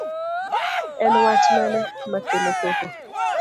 En wach mane makelo koko